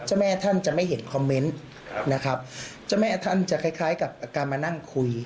แม่ท่านจะไม่เห็นคอมเมนต์นะครับเจ้าแม่ท่านจะคล้ายคล้ายกับการมานั่งคุย